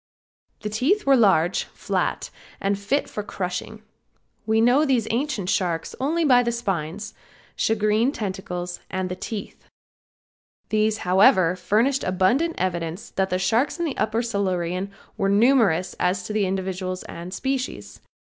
The teeth were large, flat and fit for crushing. We know these ancient sharks only by the spines, shagreen tentacles and the teeth. These, however, furnished abundant evidence that the sharks in the upper Silurian were numerous as to individuals and species.